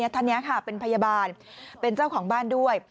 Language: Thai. ท่านนี้ค่ะเป็นพยาบาลเป็นเจ้าของบ้านด้วย